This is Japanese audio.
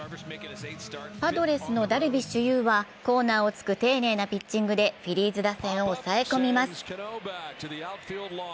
パドレスのダルビッシュ有はコーナーを突く丁寧なピッチングでフィリーズ打線を抑え込みます。